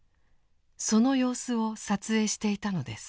その様子を撮影していたのです。